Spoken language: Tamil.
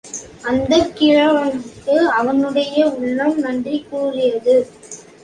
அந்தக் கிழவனுக்கு அவனுடைய உள்ளம் நன்றி கூறியது.